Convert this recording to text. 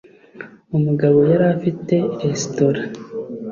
umugabo yari afite resitora